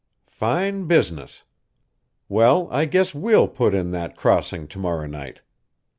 "Fine business! Well, I guess we'll put in that crossing to morrow night.